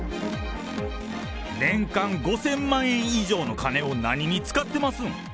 年間５０００万円以上の金を何に使ってますん？